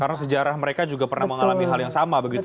karena sejarah mereka juga pernah mengalami hal yang sama begitu ya